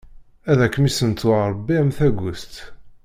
Ad kem-issentu Ṛebbi am tagust!